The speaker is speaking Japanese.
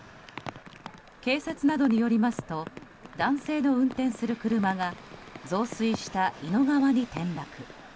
警察などによりますと男性の運転する車が増水した伊野川に転落。